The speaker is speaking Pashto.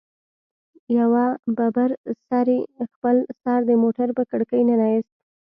يوه ببر سري خپل سر د موټر په کړکۍ ننه ايست.